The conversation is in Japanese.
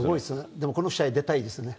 でもこの試合、出たいですね。